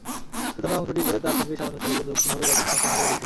সূচনা অংশটি পড়ে তার সঙ্গে সামঞ্জস্য রেখে যৌক্তিকভাবে গল্পটি সম্পূর্ণ করে লিখবে।